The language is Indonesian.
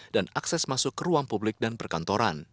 dan akses masuk ke ruang publik dan perkantoran